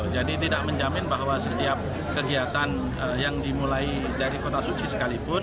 jadi tidak menjamin bahwa setiap kegiatan yang dimulai dari kota suci sekalipun